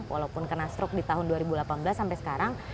walaupun kena stroke di tahun dua ribu delapan belas sampai sekarang